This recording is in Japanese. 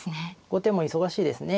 後手も忙しいですね。